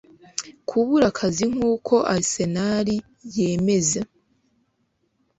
kubura akazi nkuko Arsenal yemeza